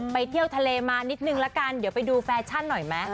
ไปเที่ยวทะเลมานิดนึงละกันเดี๋ยวไปดูแฟชั่นหน่อยไหม